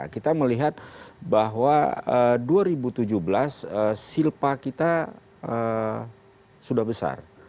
kita melihat bahwa dua ribu tujuh belas silpa kita sudah besar